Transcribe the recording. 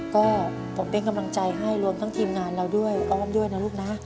ก็ผมเป็นกำลังใจให้รวมทั้งทีมงานเราด้วยอ้อมด้วยนะลูกนะ